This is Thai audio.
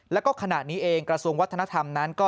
แล้วก็ขณะนี้เองกระทรวงวัฒนธรรมนั้นก็